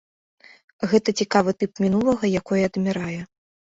Гэта цікавы тып мінулага, якое адмірае.